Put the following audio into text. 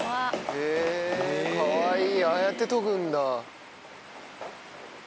へぇかわいいああやって研ぐんだ。